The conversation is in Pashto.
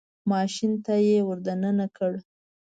ماشین ته یې ور دننه کړ.